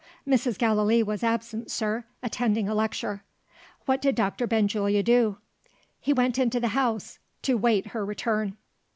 "Mrs. Gallilee was absent, sir attending a lecture." "What did Doctor Benjulia do?" "Went into the house, to wait her return."